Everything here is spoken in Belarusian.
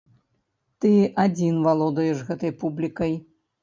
Ты адзін валодаеш гэтай публікай.